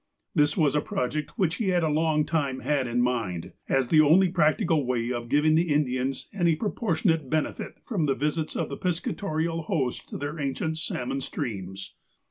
This was a project which he had a long time had in mind, as the only practical way of giving the Indians any proportionate benefit from the visits of the piscatorial hosts to their ancient salmon streams.